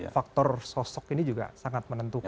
karena faktor sosok ini juga sangat menentukan